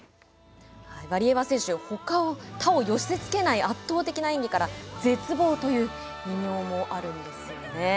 ワリエワ選手他をよせつけない圧倒的な演技から絶望という異名もあるんですよね。